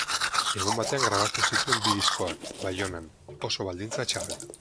Egun batean grabatu zituen bi diskoak, Baionan, oso baldintza txarretan.